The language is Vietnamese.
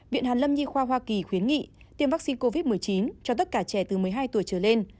viện hàn lâm nhi khoa hoa kỳ khuyến nghị tiêm vaccine covid một mươi chín cho tất cả trẻ từ một mươi hai tuổi trở lên